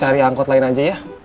cari angkot lain aja ya